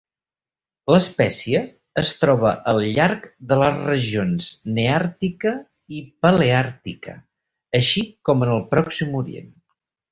L'espècie es troba al llarg de les regions neàrtica i paleàrtica, així com en el Pròxim Orient.